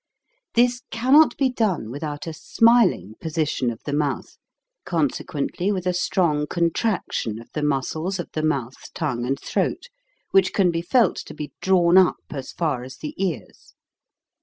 This cannot be done without a smiling position of the mouth, consequently with a strong contraction of the muscles of the mouth, tongue, and throat, which can be felt to be drawn up as far as the ears.